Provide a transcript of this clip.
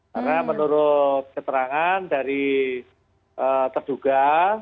karena menurut keterangan dari terduga